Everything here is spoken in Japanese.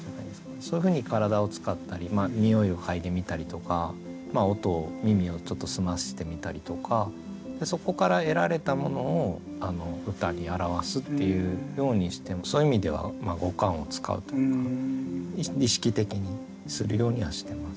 そういうふうに体を使ったりにおいを嗅いでみたりとか音を耳をちょっと澄ましてみたりとかそこから得られたものを歌に表すっていうようにしてそういう意味では五感を使うというか意識的にするようにはしてます。